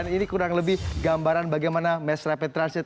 ini kurang lebih gambaran bagaimana mass rapid transit